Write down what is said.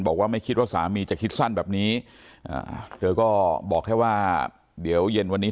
บอกว่าไม่คิดว่าสามีจะคิดสั้นแบบนี้เธอก็บอกแค่ว่าเดี๋ยวเย็นวันนี้